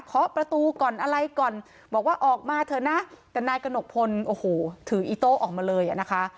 ขอประตูก่อนอะไรก่อนบอกว่าออกมาเถอะนะแต่นายกระหนกพลโอ้โหถืออีโต้ออกมาเลยอ่ะนะคะ